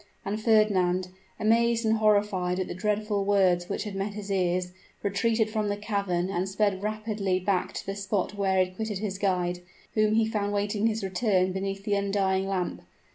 And Fernand, amazed and horrified at the dreadful words which had met his ears, retreated from the cavern and sped rapidly back to the spot where he had quitted his guide, whom he found waiting his return beneath the undying lamp.